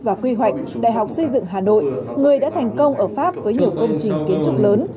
và quy hoạch đại học xây dựng hà nội người đã thành công ở pháp với nhiều công trình kiến trúc lớn